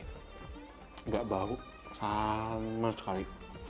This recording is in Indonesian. nggak bau sama sekali